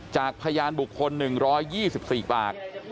จากพยานบุคคล๑๒๔ปาก